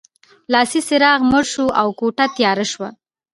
لاسي څراغ مړ شو او کوټه تیاره شوه